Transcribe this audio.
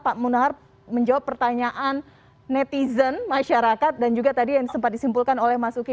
pak munahar menjawab pertanyaan netizen masyarakat dan juga tadi yang sempat disimpulkan oleh mas uki